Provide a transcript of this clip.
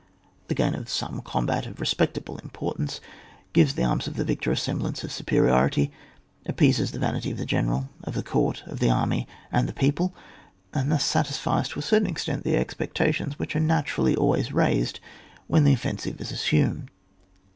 The gain of some combat of respectable importance, gives the arms of the victor a semblance of superiority, appeases the vanity of the general, of the court, of the army, and the people, and thus satisfies, to a cer tain extent, the expectations which are naturally always raised when the offen sive is assumed.